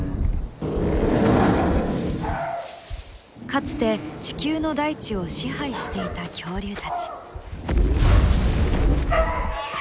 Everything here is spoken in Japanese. かつて地球の大地を支配していた恐竜たち。